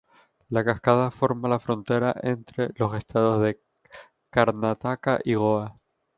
La cascada forma la frontera entre los estados de Karnataka y Goa.